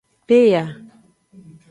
Peya.